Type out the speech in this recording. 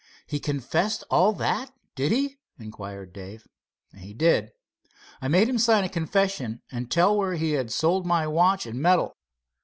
"He confessed all that, did he?" inquired Dave. "He did. I made him sign a confession and tell where he had sold my watch and medal.